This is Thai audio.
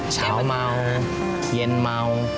เช้าเมาเย็นเมา